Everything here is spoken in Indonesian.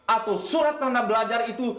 atau surat tanda belajar itu